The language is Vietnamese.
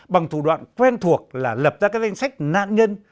bằng thủ đoạn quen thuộc là lập ra các danh sách nạn nhân